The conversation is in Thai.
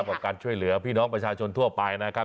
กับการช่วยเหลือพี่น้องประชาชนทั่วไปนะครับ